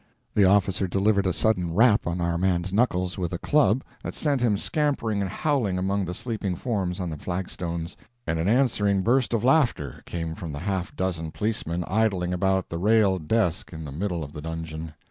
The officer delivered a sudden rap on our man's knuckles with his club, that sent him scampering and howling among the sleeping forms on the flag stones, and an answering burst of laughter came from the half dozen policemen idling about the railed desk in the middle of the dungeon.